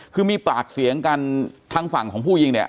คือมีปากเสียงกันทางฝั่งของผู้ยิงเนี่ย